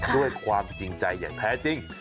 ด้วยความจริงใจอย่างแท้จริง